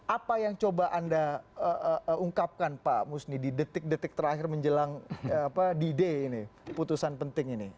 apa yang coba anda ungkapkan pak musni di detik detik terakhir menjelang d ini putusan penting ini